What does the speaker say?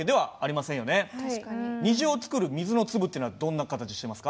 虹を作る水の粒ってのはどんな形してますか？